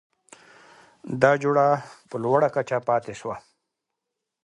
دا جوړه په لوړه کچه پاتې شوه؛